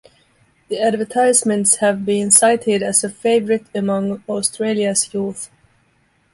The advertisements have been cited as a favourite among Australia's youth.